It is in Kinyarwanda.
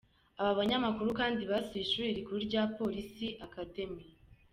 Aba banyamakuru kandi basuye Ishuri rikuru rya polisi “Police Academy”.